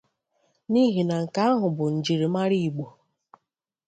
n'ihi na nke ahụ bụ njirimara Igbo.